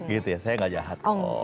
gitu ya saya gak jahat